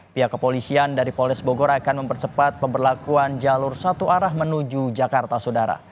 pihak kepolisian dari polres bogor akan mempercepat pemberlakuan jalur satu arah menuju jakarta saudara